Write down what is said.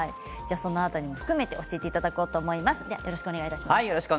その辺りも含めて教えていただこうと思います。